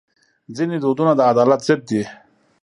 ځینې دودونه د عدالت ضد دي.